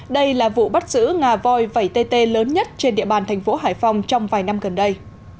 đây là vụ bắt giữ ngà voi vẩy tê tê lớn nhất trên địa bàn thành phố hải phòng trong vài năm gần đây